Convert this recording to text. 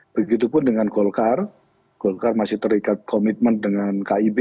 begitupun dengan golkar golkar masih terikat komitmen dengan kib